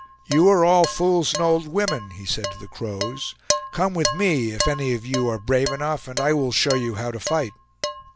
"You are all fools and old women," he said to the Crows; "come with me, if any of you are brave enough, and I will show you how to fight."